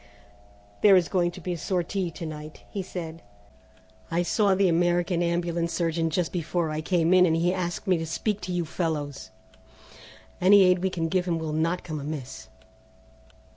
"There is going to be a sortie to night," he said. "I saw the American Ambulance surgeon just before I came in and he asked me to speak to you fellows. Any aid we can give him will not come amiss."